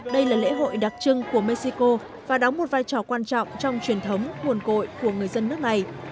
đây là lễ hội đặc trưng của mexico và đóng một vai trò quan trọng trong truyền thống nguồn cội của người dân nước này